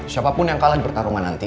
siapapun yang kalah di pertarungan nanti